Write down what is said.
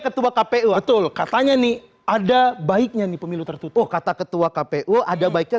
ketua kpu betul katanya nih ada baiknya nih pemilu tertutup kata ketua kpu ada baiknya